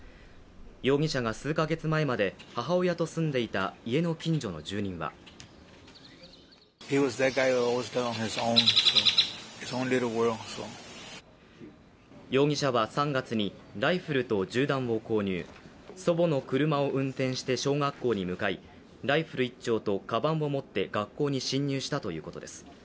容疑者が数カ月前まで母親と住んでいた家の近所の住人は容疑者は３月にライフルと銃弾を購入、祖母の車を運転して小学校に向井ライフル１丁とかばんを持って学校に侵入したということです。